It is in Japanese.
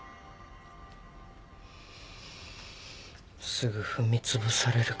すぐ踏みつぶされるか。